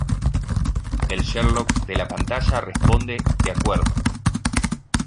El Sherlock de la pantalla responde "De acuerdo".